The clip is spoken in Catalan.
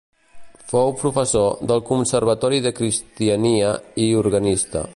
Fou professor del Conservatori de Cristiania i organista.